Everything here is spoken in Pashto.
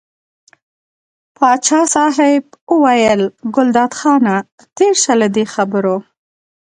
پاچا صاحب وویل ګلداد خانه تېر شه له دې خبرو.